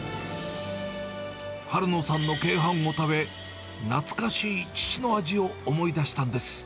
春野さんの鶏飯を食べ、懐かしい父の味を思い出したんです。